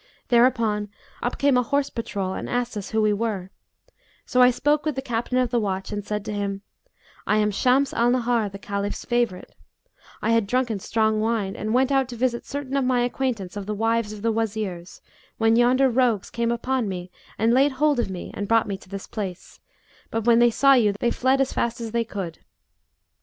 Thereupon up came a horse patrol and asked us who we were; so I spoke with the Captain of the watch and said to him, 'I am Shams al Nahar, the Caliph's favourite; I had drunken strong wine and went out to visit certain of my acquaintance of the wives of the Wazirs, when yonder rogues came upon me and laid hold of me and brought me to this place; but when they saw you, they fled as fast as they could.